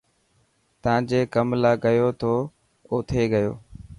تا جي ڪم لاءِ گيو ٿو او ٿي گيو.